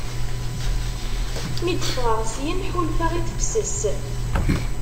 mi d-ffɣeɣ syen ḥulfaɣ i tefses.